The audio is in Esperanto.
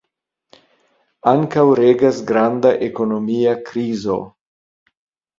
Ankaŭ regas granda ekonomia krizo.